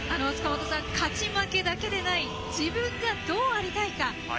勝ち負けでない自分がどうありたいか。